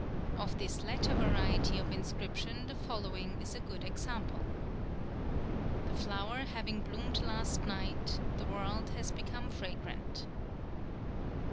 Of this latter variety of inscription the following is a good example: "_The flower having bloomed last night, the World has become fragrant.